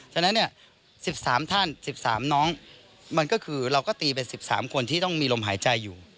ฉะนั้น๑๓ท่าน๑๓น้องมันก็คือเราก็ตีเป็น๑๓คนที่ต้องมีลมหายใจอยู่